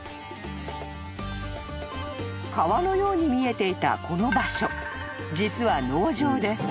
［川のように見えていたこの場所実は］